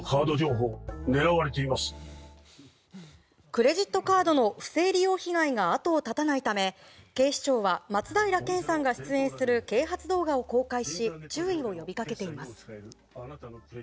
クレジットカードの不正利用被害が後を絶たないため警視庁は松平健さんが出演する啓発動画公開し注意を呼び掛けています。